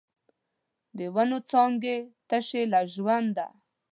د ونو څانګې تشې له ژونده